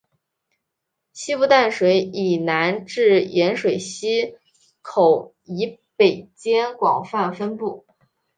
西部淡水以南至盐水溪口以北间广泛分布。